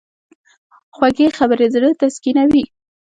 خوږې خبرې زړه تسکینوي.